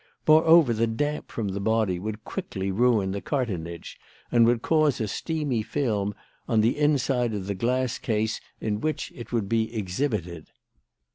Moreover, the damp from the body would quickly ruin the cartonnage and would cause a steamy film on the inside of the glass case in which it would be exhibited.